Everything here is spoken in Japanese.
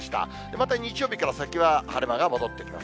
また日曜日から先は晴れ間が戻ってきます、